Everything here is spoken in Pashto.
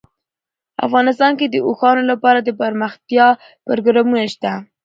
افغانستان کې د اوښانو لپاره دپرمختیا پروګرامونه شته.